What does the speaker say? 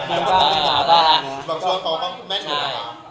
เออแจกเล่ง